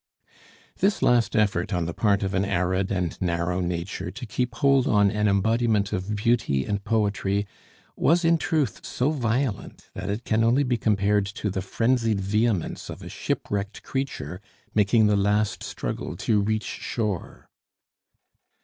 This last effort on the part of an arid and narrow nature to keep hold on an embodiment of beauty and poetry was, in truth, so violent that it can only be compared to the frenzied vehemence of a shipwrecked creature making the last struggle to reach shore.